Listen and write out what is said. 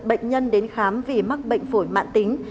bệnh nhân đến khám vì mắc bệnh phổi mạng tính